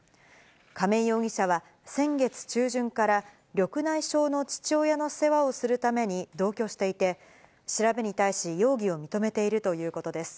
亀井容疑者は、先月中旬から緑内障の父親の世話をするために同居していて、調べに対し容疑を認めているということです。